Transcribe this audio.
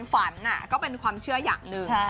ฝันก็เป็นความเชื่ออย่างหนึ่ง